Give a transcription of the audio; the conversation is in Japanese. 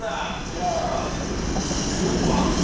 じゃあ４番。